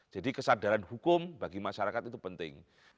jadi kesadaran hukum bagi masyarakat itu penting